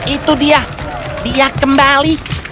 itu dia dia kembali